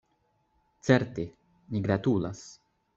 Certe, ni gratulas.